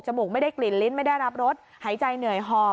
มูกไม่ได้กลิ่นลิ้นไม่ได้รับรสหายใจเหนื่อยหอบ